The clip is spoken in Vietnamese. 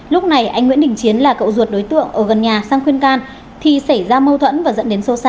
lúc này anh nguyễn đình chiến là cậu ruột đối tượng ở gần nhà sang khuyên can thì xảy ra mâu thuẫn và dẫn đến sâu xa